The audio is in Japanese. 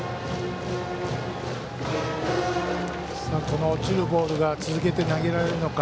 この落ちるボールが続けて投げられるのか。